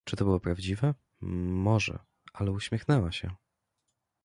Czy to było prawdziwe? Mo że, ale uśmiechnęła się.